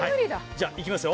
じゃいきますよ。